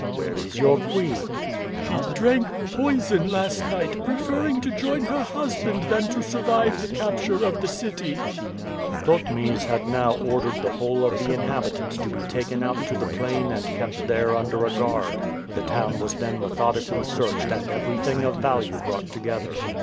"Where is your queen?" "She drank poison last night, preferring to join her husband than to survive the capture of the city." Thotmes had now ordered the whole of the inhabitants to be taken out to the plain and kept there under a guard. The town was then methodically searched and everything of value brought together.